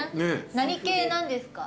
何系なんですか？